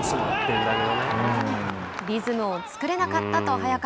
リズムを作れなかったと早川。